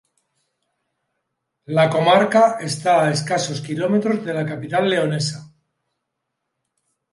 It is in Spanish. La comarca está a escasos kilómetros de la capital leonesa.